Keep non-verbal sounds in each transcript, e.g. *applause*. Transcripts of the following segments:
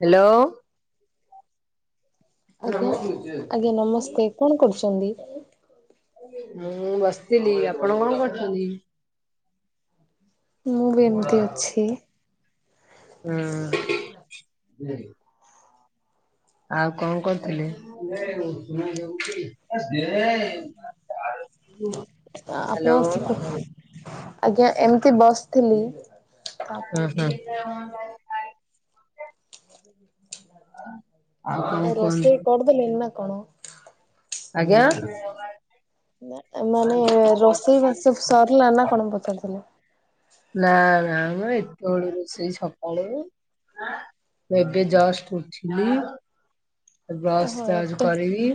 Hello. ଆଜ୍ଞା ନମସ୍ତେ କଣ କରୁଛନ୍ତି? ମୁଁ ବସିଥିଲି ଆପଣ କଣ କରୁଛନ୍ତି? ମୁଁ ବି ଏମିତି ଅଛି। ହୁଁ ଆଉ କଣ କରୁଥିଲେ? ଆପଣ ଆଜ୍ଞା ଏମିତି ବସଥିଲି। ମ୍ ହୁଁ ଆଉ ରୋଷେଇ କରିଦେଲେ ଏ ନା କଣ? ଆଜ୍ଞା ମାନେ ରୋଷେଇ ବାସ ସରିଲା ନା କଣ ପଚାରୁଥିଲେ? ନା ନା ନା ଏତେ ବଳୁ ରୋଷେଇ ସକାଳୁ। ଏବେ ଜାଷ୍ଟ ଉଠିଲି। ବ୍ରସ ଓହୋ ଯାଉଛି ଏତେ କରିବି।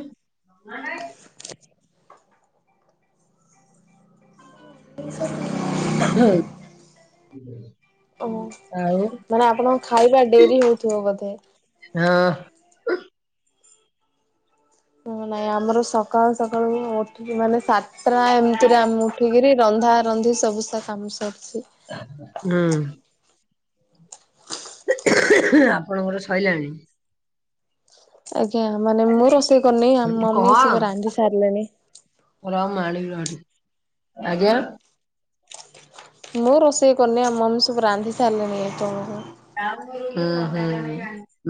ହୁଁ ଓ ଆଉ ମାନେ ଆପଣଙ୍କ ଖାଇବା ଡେରି ହଉଥିବ ବୋଧେ? ହଁ ହ ନାଇଁ ଆମର ସକାଳୁ ସକାଳୁ ଉଠୁଛିି ମାନେ ସାତଟା ଏମିତିରେ ଆମେ ଉଠିକିରି ରନ୍ଧା ରନ୍ଧି ସବୁସ କାମ ସରିଛି। ହୁଁ ଆପଣଙ୍କର ସରିଲାଣି? ଆଜ୍ଞା ମାନେ ମୁଁ ରୋଷେଇ କରିନି ଆମ ମମି କଣ? ସବୁ ରାନ୍ଧି ସାରିଲେଣି। *unintelligible* *unintelligible* ଆଜ୍ଞା ମୁଁ ରୋଷେଇ କରନି ଆମ ମମି ସବୁ ରାନ୍ଧି ସାରିଲେଣି ଏ। *unintelligible* ହୁଁ ହୁଁ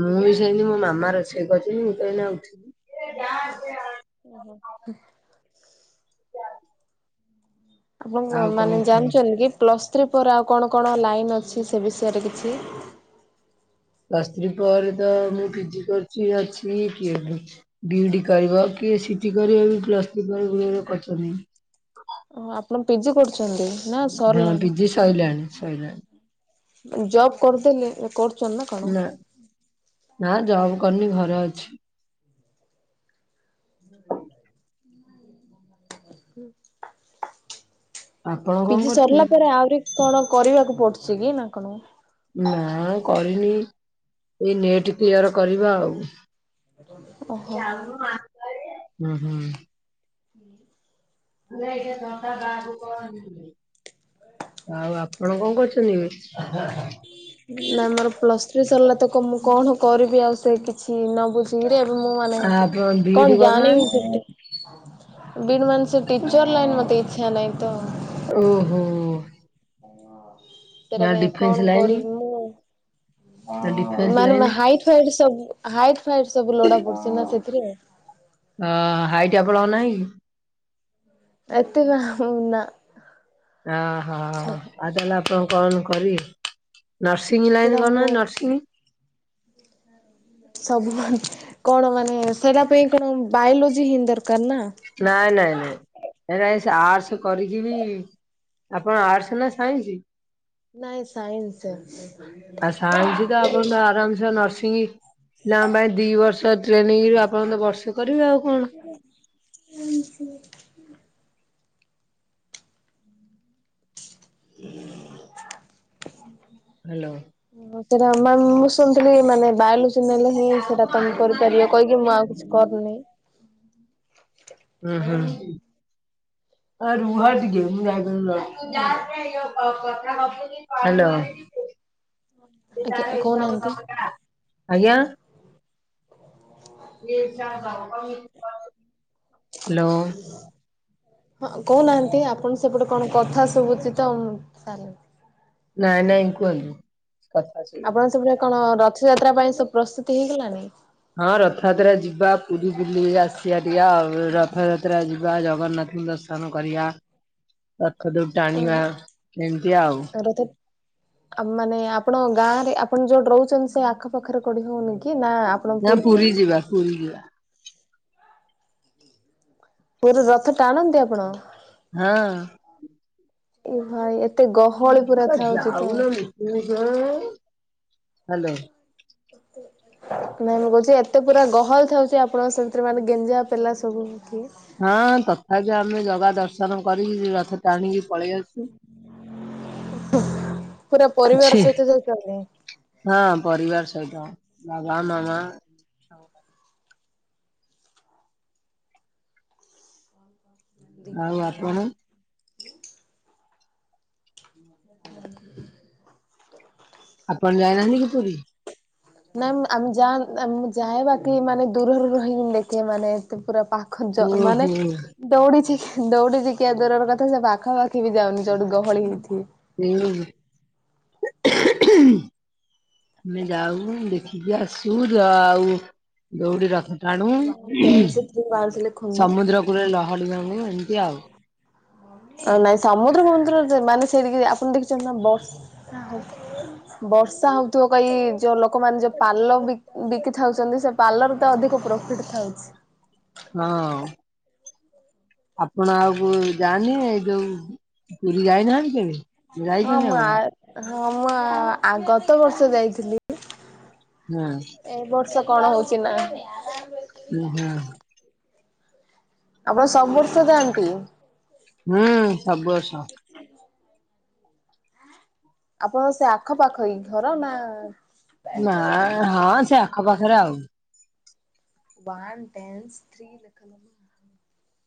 ମୁଁ ବି ସେଇନତି ମୋ ମାମା ରୋଷେଇ କରିି ମୁଁ ତ ଏଇ ଉଠି ହୁଁ ଆପଣ ଆଉ କଣ ମାନେ କୁହ? ଜାଣିଛନ୍ତି କି ପ୍ଲସ୍ ଥ୍ରୀ ପରେ ଆଉ କଣ କଣ ଲାଇନ ଅଛି ସେ ବିଷୟରେ କିଛି। ପ୍ଲସ ଥ୍ରୀ ପରେ ତ ମୁଁ ପିଜି କରିୁଛି ଅଛି କିଏ *unintelligible* ବିଇଡ଼ି କରିବ କିଏ ସିଟି କର ବି ପ୍ଲସଥୀ ଗୁଡ଼ରେ କରିଛନି ଓ ଆପଣ ପିଜି କରୁଛନ୍ତି? ନା ହଁ ସରିଲାଣି ପିଜି ସରିଲାଣି ସଇଲାଣି। ଜବ୍ କରିଦେଲେ କରୁଛନ୍ତି କଣ? ନା ନା ଜବ୍ କରିନି ଘରେ ଅଛି। ଆପଣ କଣ ପିଜି କରୁଛନ୍ତି? ସରିଲା ପରେ ଆହୁରି କଣ କରିବାକୁ ପଡୁଛି କି ନା କଣ? ନା କରିନି ଏଇ ନିଟ କ୍ଲିୟର କରିବ ଆଉ। ଓହୋ। ହୁଁ ହୁଁ *inaudible* ଆଉ ଆପଣ କଣ କରୁଛନ? *unintelligible* ନାଇଁ ମୋର ପ୍ଲସ୍ ଥ୍ରୀ ସରିଲା ତ କ ମୁଁ କଣ କରିବି ଆଉ ସେ କିଛି ନ ବୁଝି ଦୁରେର ମୁଁ ମାନେ ଆ ଆପଣ ବିଇଡି କଣ ଜାଣି କରୁନାହାନ୍ତି ବି ବିଡ ମାନେ ସେ ଟିଚର ଲାଇନ୍ ମୋତେ ଇଚ୍ଛା ନାଇଁ ତ। ଓହୋ ସେଇଟା ନା ଏବେ ଡିଫେନ୍ସ କଣ ଲାଇନ କରିବି ମୁଁ? ନା ଡିଫେନ୍ସ ମାନେ ଲାଇନ ମୋ ହାଇଟ୍ ଫାଇଟ ସବୁ ହାଇଟ୍ ଫାଇଟ ସବୁ ଲୋଡା ପଡୁଛି ନା ସେଥିରେ? ଆଁ ହାଇଟ୍ ଆପଣଙ୍କର ନାହିଁ କି? ଏତେ *unintelligible* ନା ଅହୋ ଆଉ ତାହେଲେ ଆପଣ କଣ କରିବେ? ନର୍ସିଂ ସେଟା ଲାଇନ ମୁଁ କରୁନିହାନ୍ତି ନର୍ସିଂ। ସବୁ ମ କଣ ମାନେ ସେଇଟା ପାଇଁ କଣ ବାୟୋଲୋଜି ହିଁ ଦରକାର ନା? ନାଇଁ ନାଇଁ ନାଇଁ ଏଟାକି ସେ ଆର୍ଟ୍ସ କରିକି ବି ଆପଣ ଆର୍ଟସ ନା ସାଇନ୍ସ? ନାଇଁ ସାଇନ୍ସ ଅଛି। ଆଉ ସାଇନ୍ସ ତ ଆପଣ ତ ଆରାମସେ ନର୍ସିଂ ନା ପାଇଁ ଦି ବର୍ଷ ଟ୍ରେନିଂରୁୁ ଆପଣ ତ ବର୍ଷେ କରିବେ ଆଉ କଣ? *unintelligible* *unintelligible* *inaudible* ହେଲୋ ହଁ ସେଟା ମାନେ ମୁଁ ଶୁଣିଥିଲି ମାନେ ବାୟୋଲୋଜି ନେଲେ ହିଁ ସେଇଟା ତମେ କରିପାରିବ କହିକି ମୁଁ ଆଉ କିଛି କରୁନି। ଉଁ ହୁଁ *inaudible* ଆ ରୁହ ଟିକେ ମୁଁ ଯାଇଥାନ୍ତି ଲ ହାଲୋ। ଆଜ୍ଞା କହୁନାହାନ୍ତି ଆଜ୍ଞା। ହାଲୋ। ହଁ କହୁନାହାନ୍ତି ଆପଣ ସେପଟେ କଣ କଥା ଶୁଭୁଛି ତ ମୁଁ ସାଲ ନାଇଁ ନାଇଁ କୁହନ୍ତୁ କଥା ସ ଆପଣ *unintelligible* କଣ ରଥଯାତ୍ରା ପାଇଁ ସବୁ ପ୍ରସ୍ତୁତି ହେଇଗଲାଣି? ହଁ ରଥଯାତ୍ରା ଯିବା ପୁରୀ ବୁଲି ଆସିବା ଟିକେ ଆଉ ରଥଯାତ୍ରା ଯି ବା ଜଗନ୍ନାଥଙ୍କୁ ଦର୍ଶନ କରିବା ରଥ ଦଉଡି ଟାଣିବା ଏମିତି ଆଉ। ରଥ ଆ ମାନେ ଆପଣ ଗାଁ ରେ ଆପଣ ଯୋଉଠି ରହୁଛନ୍ତି ସେ ଆଖପାଖରେ କଉଠି ହଉନି କି ନା ଆ ନା ପୁରୀ ଯିବା ପୁରୀ ଯିବା। ପୁରୀ ରଥ ଟାଣନ୍ତି ଆପଣ? ହଁ। ଏ ଭାଇ ଏତେ ଗହଳି ପୁରା ଥାଉଛି ତ। ହାଲୋ। *inaudible* ନାଇଁ ମୁଁ କହୁଛି ଏତେ ପୁରା ଗହଳି ଥାଉଛି ଆପଣ ସେମିତିରେ ମାନେ ଗେଞ୍ଜା ପେଲା ସବୁ ହଉଥିବେ। ହଁ ତଥାପି ଆମେ ଜଗା ଦର୍ଶନ କରିକିରି ରଥ ଟାଣିକି ପଳେଇ ଆସଛୁ। ହୁଁ ପୁରା ପରିବାର ଛି ସହିତ ଯାଇପାରିଲେ। ହଁ ପରିବାର ସହିତ ବାବା, ମାମା। ଦିଗ ଆଉ ଭାଲୋ ବା ଆପଣ *unintelligible* ଆପଣ ଯାଇ ନାହାନ୍ତି କି ପୁରୀ? ନାମ୍ ଆମ୍ ଯାମ୍ ଆମ୍ ଯାଏ ବାକି ମାନେ ଦୂରରୁ ରହିକି ଦେଖେ ମାନେ ଏତେ ପୁରା ପା ଖ ଯ ମାନେ। ଓହୋ। ଦୌଡିଛି ଦୌଡିିଛିି କିଆ ଦୂରର କଥା ସେ ପାଖାପାଖି ବି ଯାଉନି ଯୋଉଠି ଗହଳି ହେଇଚି। *unintelligible* *inaudible* ଆମେ ଯାଉ ଦେଖିକି ଆସୁ ଯାଉ ଦଉଡ଼ି ରଥ ଟାଣୁ। ସମୁଦ୍ର କୂଳରେ ଲହଡ଼ି ଭାଙ୍ଗୁ ଏମିତି ଆଉ। ଅ ନାଇଁ ସମୁଦ୍ର ଫମୁଦ୍ର ଦେ ମାନେ ସେଇଠିକି ଆପଣ ଦେଖିଛନ୍ତି ନା ବର୍ଷା ହବ। ବର୍ଷା ହଉଥିବ କହି କି ଯୋଉ ଲୋକମାନେ ଯୋଉ ପାଲ ବି ବିକି ଥାଉଚନ୍ତି ସେ ପାଲର ତ ଅଧିକ ପ୍ରଫିଟ୍ ଥାଉଛି। ନାଉଁ। ଆପଣ ଆଉ କୁ ଯାଆନି ଏଇ ଯୋଉ ପୁରୀ ଯାଇନାହାନ୍ତି କି? ହଁ ମୁଁ ଆ ହଁ ମୁଁ ଆ ଆ ଗତ ବର୍ଷ ଯାଇଥିଲି। ନା। ଏ ବର୍ଷ କଣ ହଉଛି ନା। ଉଁ ହୁଁ। ଆପଣ ସବୁ ବର୍ଷ ଯାଆନ୍ତି। ହୁଁ ସବୁ ବର୍ଷ। ଆପଣଙ୍କ ସେ ଆଖପାଖରେ କି ଘର ନା? ନା ହଁ ସେ ଆଖପାଖରେ ଆଉ। ୱାନ ଡ୍ୟାନ୍ସ ଥ୍ରି *inaudible*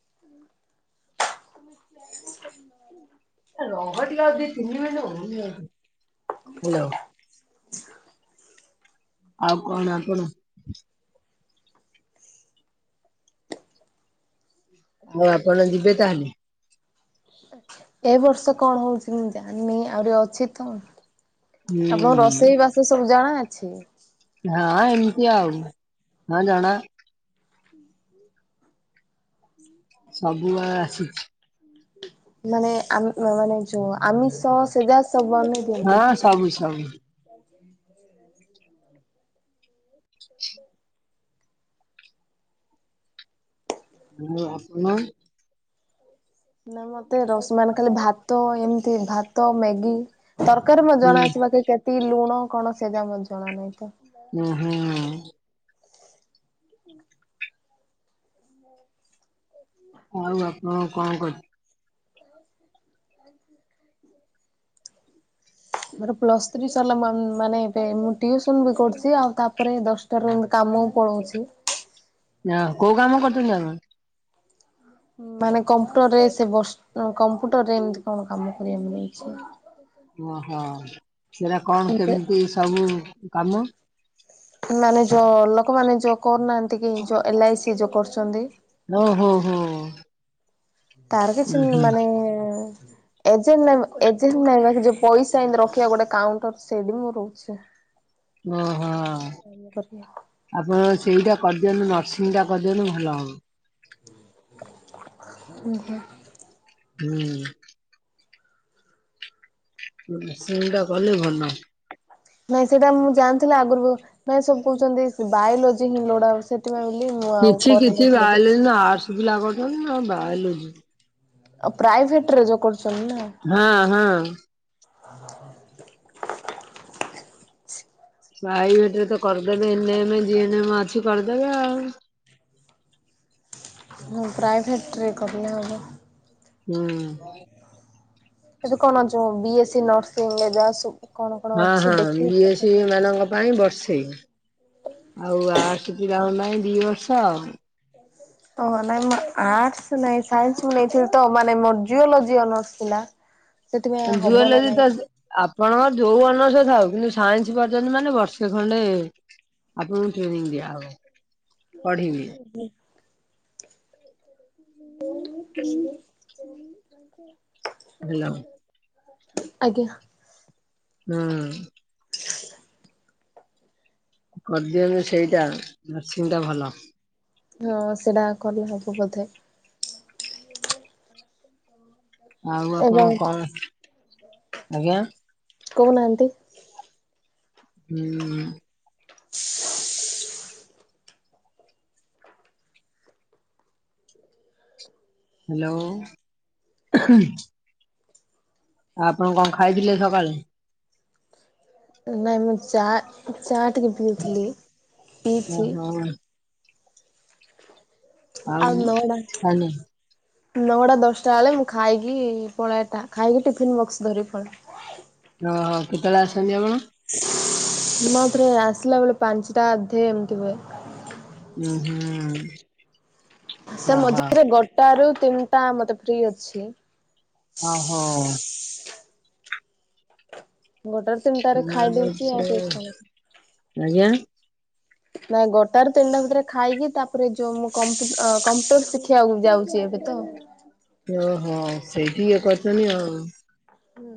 *inaudible* ଆ ରହ ଟିକେ ଆଉ ଦି, ତିନି ମିନିଟ୍ ହଉନି ଆକୁ ହାଲୋ। ଆଉ କଣ ଆପଣ? ଆଉ ଆପଣ ଯିବେ ତାହେଲେ? ଏ ବର୍ଷ କଣ ହଉଛି ମୁଁ ଜାଣିନି ଆହୁରି ଅଛି ତ। ହୁଁ ଆପଣଙ୍କୁ ହୁଁ ରୋଷେଇ ବାସ ସବୁ ଜଣା ଅଛି? ହଁ ଏମିତି ଆଉ ହଁ ଜଣା ସବୁ ଆଉ ଆସିଛି। ମାନେ ଆମ୍ ମାନେ ଯୋଉ ଆମିଷ ସେରା ସବୁ ଆମେ ଦିଅନ୍ତି। ହଁ ସବୁ ସବୁ। *inaudible* *inaudible* *unintelligible* ନା ମତେ ରୋଷଇ ମାନେ ଖାଲି ଭାତ ଏମିତି ଭାତ, ମ୍ୟାଗି। ତରକାରୀ ମତେ ହୁଁ ଜଣା ଅଛି ବାକି କେତିକି ଲୁଣ କଣ ସେ ଯାକ ମତେ ଜଣା ନାହିଁ ତ। ହୁଁ ହୁଁ ଆଉ। ଆଉ ଆପଣ କଣ କରୁଚନ୍ତି? *inaudible* ମୋର ପ୍ଲସ୍ ଥ୍ରୀ ସରିଲା ମାନ୍ ମାନେ ଏବେ ମୁଁ ଟିୟୁସନ୍ ବି କରୁଚି ଆଉ ତାପରେ ଦଶ ଟାରୁ ତାପରେ ମୁଁ କାମକୁ ପଳାଉଛି। ହଁ କୋଉ କାମ କରୁଛନ୍ତି ଆପଣ? ମାନେ କମ୍ପୁଟର୍ ରେ ସେ ବସ, କମ୍ପୁଟର୍ ରେ ଏମତି କଣ କାମ କରିବା ମିଳୁ ଅଛି? ଓଃ ହଁ ସେରା କଣ ଆଚ୍ଛା। କେମିତି ସବୁ କାମ? ମାନେ ଯୋଉ ଲୋକମାନେ ଯୋଉ କରୁନାହାନ୍ତି କି ଏଲ ଆଇ ସି ଯୋଉ କରୁଛନ୍ତି? ଓଃ ହୋ ହୋ। ତାର କିଛି ଉଁ ହୁଁ ମାନେ ଏଜେନ୍ ନା ଏଜେଣ୍ଟ ନାଇଁ ଯୋଉ ପଇସା ଏମିତି ରଖିବା ଗୋଟେ କାଉଣ୍ଟର୍ ସେଇଠି ମୁଁ ରହୁଛି। ଓଃ ହଁ ହଁ। ଏଇନୁ କରିବା। ଆପଣ ସେଇଟା କରିଦିଅନ୍ତୁ ନର୍ସିଂଟା କରିଦିଅନ୍ତୁ ଭଲ ହବ। ହେ ହେ ହୁଁ। ହୁଁ ସେଇଟା କଲେ ଭଲ। ନାଇଁ ସେଇଟା ମୁଁ ଜାଣିଥିଲେ ଆଗରୁ, ନାଇଁ ସବୁ କହୁଛନ୍ତି ବାୟୋଲୋଜି ହିଁ ଲୋଡା। ସେଥିପାଇଁ ବୋଲି ମୁଁ ଆଉ କରିନଥିଲି କିଛି। ଏତେ ପିଲା କରୁଛନ୍ତି ଆ ବାୟୋଲଜି। ଆଉ ପ୍ରାଇଭେଟରେ ଯୋଉ କରୁଛନ୍ତି ନା। ହଁ ହଁ। ପ୍ରାଇଭେଟରେ ତ କରିଦେବେ A N M, G N M ଅଛି କରିଦେବେ ଆଉ ହଁ ପ୍ରାଇଭେଟରେ କଲେ ହବ। ହୁଁ। ଏବେ କଣ ଜୋ ବି ଏ ସି ନର୍ସିଂ ଏଯାକ ସବୁ। କଣ କଣ ହଁ ଅଛି ହଁ ବି ଏ ସି ଦେଖିକି ମାନଙ୍କ ପାଇଁ ବର୍ଷେ। ଆଉ ଆର୍ଟ୍ସ ପିଲାଙ୍କ ପାଇଁ ଦି ବର୍ଷ। *inaudible* ଓହ ନାଇଁ ମୁଁ ଆର୍ଟସ ନାଇଁ ସାଇନ୍ସ ମୁଁ ନେଇଥିଲି ତ ମାନେ ମୋର ଜିଓଲୋଜି ଅନର୍ସ ଥିଲା। *inaudible* ହବ ନା ଜୁଓଲୋଜି ନାଇଁ ତ ଆପଣଙ୍କର ଯୋଉ ଅନର୍ସ ଥାଉ କିନ୍ତୁ ସାଇନ୍ସ କରିଚନ୍ତି ମାନେ ବର୍ଷେ ସେ ଖଣ୍ଡେ ଆପଣଙ୍କୁ ଟ୍ରେନିଂ ଦିଆ ହବ ପଢିବି। ହେଲା। *inaudible* ଆଜ୍ଞା। ହୁଁ। କରିଦିଅନ୍ତୁ ସେଇଟା ନର୍ସିଂ ଟା ଭଲ। ହଁ ସେଟା କଲେ ହବ ବୋଧେ। ଆଉ ଆପଣ ଏବଂ କଣ? ଆଜ୍ଞା। କହୁନାହାନ୍ତି? ହୁଁ। *inaudible* ହାଲୋ, ହୁଁ। ଆ ଆପଣ କଣ ଖାଇଥିଲେ ସକାଳେ? ନାଇଁ ମୁଁ ଚାହା ଚାହା ଟିକେ ପିଇଥିଲି, ପିଇଛି। ଓହୋ ଆଉ ନୋଡା। ଖାଇନି ନଅଟା ଦଶଟା ବେଳେ ମୁଁ ଖାଇକି ପଳା ଏଟା, ଖାଇକି ଟିଫିନ୍ ବକ୍ସ ଧରି ପଳାଏ। ଅ ହ କେତେବେଳେ ଆସନ୍ତି ଆପଣ? ରେ ଆସିଲା ବେଳେ ପାଞ୍ଚଟା ଅଧେ ଏମିତି ହୁଏ। ହୁଁ ହୁଁ। ସେ ଓହୋ ମଝିରେ ଗୋଟା ରୁ ତିନିଟା ମତେ ଫ୍ରି ଅଛି। ଅ ହ। ଗୋଟାରୁ ତିନିଟାରେ ଖାଇ ଦଉଛି ଆଉ *inaudible* ଟିକେ କଣ ଆଜ୍ଞା? ନାଇଁ ଗୋଟା ରୁ ତିନିଟା ଭିତରେ ଖାଇକି ତାପରେ ଯୋଉ ମୁଁ କମ୍ପୁ-କମ୍ପୁଟର ଶିଖିବାକୁ ଯାଉଛି ଏବେ ତ। ଓହୋ ସେଇଠି ଇଏ କରିଚନ୍ତି ଆଉ। ହୁଁ।